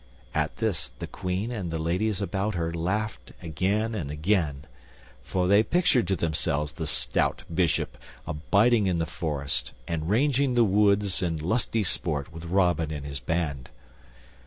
At this, the Queen and the ladies about her laughed again and again, for they pictured to themselves the stout Bishop abiding in the forest and ranging the woods in lusty sport with Robin and his band.